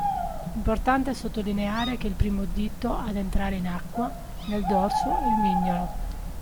Importante sottolineare che il primo dito ad entrare in acqua, nel dorso, è il mignolo.